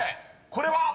これは？］